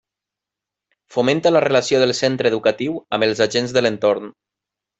Fomenta la relació del centre educatiu amb els agents de l'entorn.